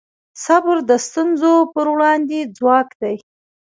صبر د ستونزو پر وړاندې ځواک دی.